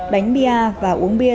đánh bia và uống bia